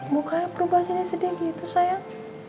bukannya perubahasannya sedih gitu sayang